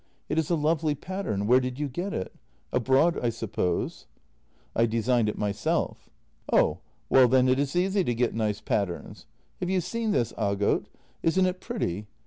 It is a lovely pattern — where did you get it ? Abroad, I suppose? "" I designed it myself." " Oh well, then it is easy to get nice patterns. Have you seen this, Aagot? Isn't it pretty?